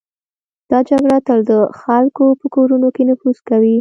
دا جګړه تل د خلکو په کورونو کې نفوذ کوي.